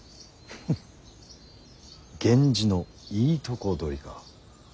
フッ源氏のいいとこ取りか。